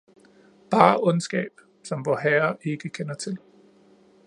Bare ondskab, som vorherre ikke kender til